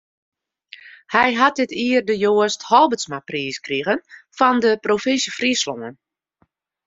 Hy hat dit jier de Joast Halbertsmapriis krige fan de Provinsje Fryslân.